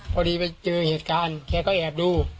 พอดีไปเจอเหตุการณ์แกก็แอบดู